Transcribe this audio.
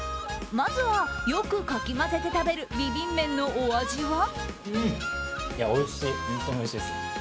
まずは、よくかき混ぜて食べるビビン麺のお味は？